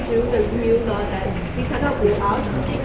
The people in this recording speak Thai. พวกมันจัดสินค้าที่๑๙นาที